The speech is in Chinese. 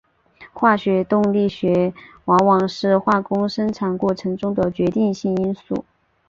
化学动力学往往是化工生产过程中的决定性因素。